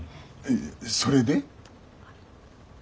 それで？